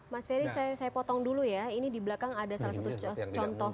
mas ferry saya potong dulu ya ini di belakang ada salah satu contoh